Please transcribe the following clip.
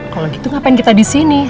kalau gitu ngapain kita di sini